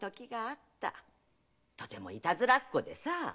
とてもいたずらっ子でさあ。